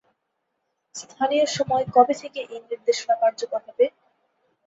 স্থানীয় সময় কবে থেকে এই নির্দেশনা কার্যকর হবে?